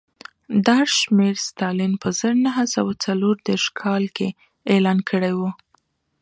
دا شمېر ستالین په زر نه سوه څلور دېرش کال کې اعلان کړی و